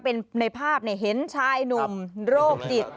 เป็นในภาพเห็นชายหนุ่มโรคจิต